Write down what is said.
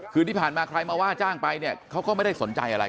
คือที่ผ่านมาใครมาว่าจ้างไปเนี่ยเขาก็ไม่ได้สนใจอะไร